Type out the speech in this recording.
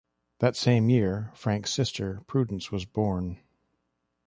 That same year Frank's sister Prudence was born.